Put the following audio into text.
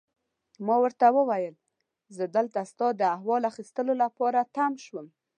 ما ورته وویل: زه دلته ستا د احوال اخیستو لپاره تم شوم.